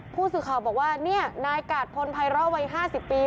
ผู้สื่อข่าวบอกว่านี่นายกาดพลภัยร่อวัย๕๐ปี